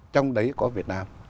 trong đấy có việt nam